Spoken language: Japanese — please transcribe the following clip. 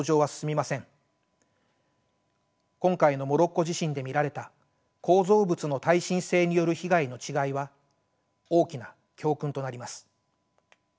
今回のモロッコ地震で見られた構造物の耐震性による被害の違いは大きな教訓となります。